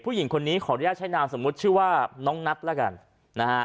ผู้หญิงคนนี้ขออนุญาตใช้นามสมมุติชื่อว่าน้องนัทแล้วกันนะฮะ